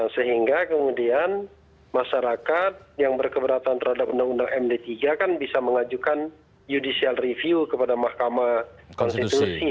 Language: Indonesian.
sehingga kemudian masyarakat yang berkeberatan terhadap undang undang md tiga kan bisa mengajukan judicial review kepada mahkamah konstitusi